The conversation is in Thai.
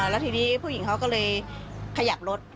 แล้วทีนี้ผู้หญิงเขาก็เลยขยับรถ